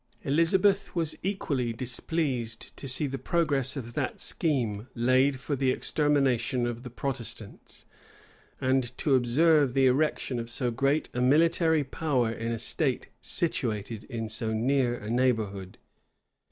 Elizabeth was equally displeased to see the progress of that scheme laid for the extermination of the Protestants, and to observe the erection of so great a military power in a state situated in so near a neighborhood.